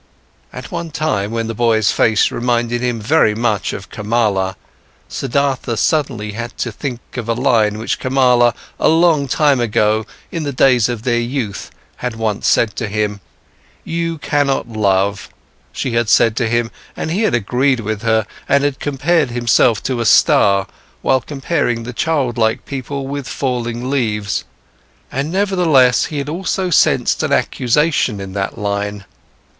At one time, when the boy's face reminded him very much of Kamala, Siddhartha suddenly had to think of a line which Kamala a long time ago, in the days of their youth, had once said to him. "You cannot love," she had said to him, and he had agreed with her and had compared himself with a star, while comparing the childlike people with falling leaves, and nevertheless he had also sensed an accusation in that line.